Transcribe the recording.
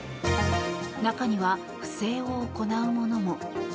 中には不正を行うものも。